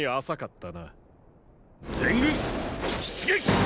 全軍出撃！！